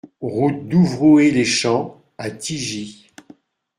Route d'Ouvrouer Les Champs à Tigy